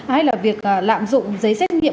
hay là việc lạm dụng giấy xét nghiệm